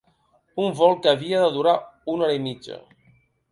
Un vol que havia de durar una hora i mitja.